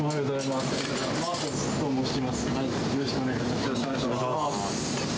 よろしくお願いします。